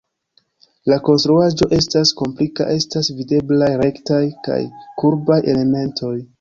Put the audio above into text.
La konstruaĵo estas komplika, estas videblaj rektaj kaj kurbaj elementoj.